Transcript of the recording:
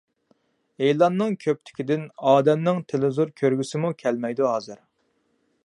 ئېلاننىڭ كۆپلۈكىدىن ئادەمنىڭ تېلېۋىزور كۆرگۈسىمۇ كەلمەيدۇ ھازىر.